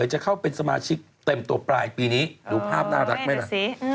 จะเข้าเป็นสมาชิกเต็มตัวปลายปีนี้ดูภาพน่ารักไหมล่ะ